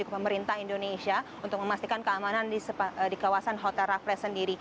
pemerintah indonesia untuk memastikan keamanan di kawasan hotel raffles sendiri